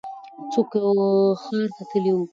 څوک ښار ته تللی و؟